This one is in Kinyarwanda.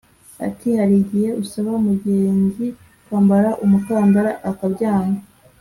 ati ”Hari igihe usaba umugenzi kwambara umukandara akabyanga